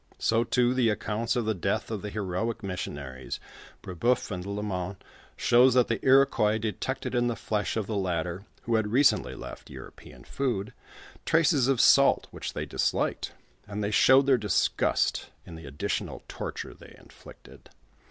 So too the accounts of the dcatli of the heroic missionaries Brebeuf and Lalemant shows that the Iro quois detected in the flesh of the latter, who had recently left European food, traces of salt which they disliked, and they showed their disgust in the additional torture they inflicted.